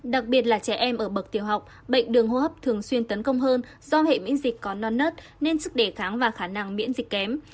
đặc biệt là trẻ em ở bậc tiểu học bệnh đường hô hấp thường xuyên tấn công hơn do hệ miễn dịch có non nớt nên sức đề kháng và khả năng miễn dịch kém